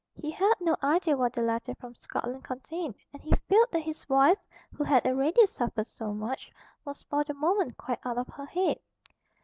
He had no idea what the letter from Scotland contained, and he feared that his wife, who had already suffered so much, was for the moment quite out of her head.